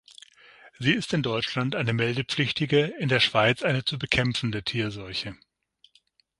Sie ist in Deutschland eine meldepflichtige, in der Schweiz eine zu bekämpfende Tierseuche.